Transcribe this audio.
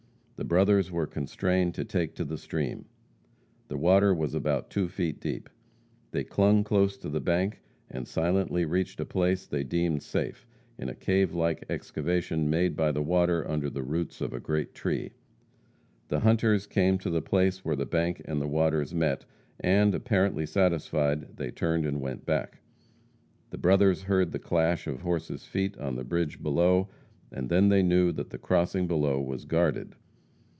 The brothers were constrained to take to the stream. The water was about two feet deep. They clung close to the bank, and silently reached a place they deemed safe, in a cave like excavation made by the water under the roots of a great tree. The hunters came to the place where the bank and the waters met, and, apparently satisfied, they turned and went back. The brothers heard the clash of horses' feet on a bridge below, and then they knew that the crossing below was guarded.